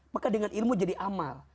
maka dengan ilmu jadi amal